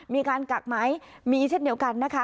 มีการกักไหมมีเช่นเดียวกันนะคะ